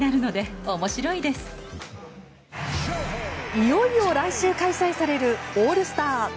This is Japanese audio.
いよいよ来週開催されるオールスター。